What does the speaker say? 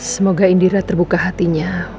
semoga indira terbuka hatinya